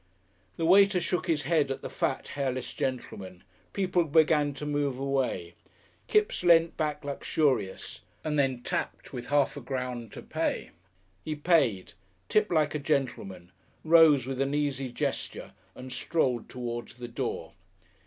The waiter shook his head at the fat, hairless gentleman. People began to move away. Kipps leant back luxurious, and then tipped with a half crown to pay. He paid, tipped like a gentleman, rose with an easy gesture, and strolled towards the door.